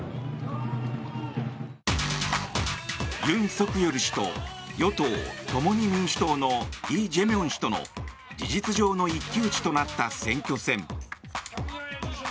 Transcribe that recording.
ユン・ソクヨル氏と与党・共に民主党のイ・ジェミョン氏との事実上の一騎打ちとなった選挙戦。